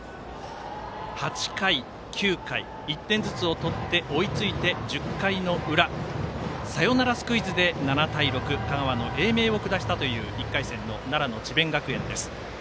８回、９回１点ずつを取って追いついて１０回の裏サヨナラスクイズで７対６香川の英明を下したという１回戦の奈良の智弁学園です。